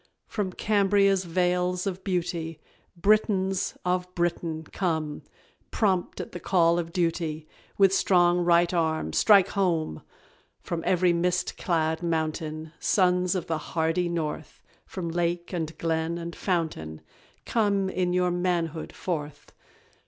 From Cambria's vales of beauty, "Britons" of Britain, come, Prompt at the call of duty, With strong right arm "strike home!" From every mist clad mountain, Sons of the hardy North, From lake, and glen, and fountain, Come in your manhood forth.